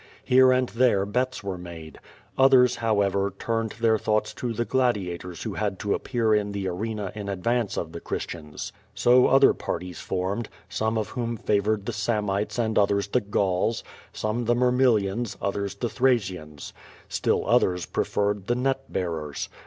Here and there bets were made. Others, however, ^ turned their thoughts to the gladiators who had to appear r in the arena in advance of the Christians. So otlier parties formed, some of Arhom favored the Samnites and othei s the Gauls; some the Mirmillions, others the Thraccans. Still r. others preferred the net bearers.